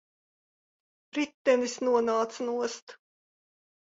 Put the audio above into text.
Ritenis nonāca nost.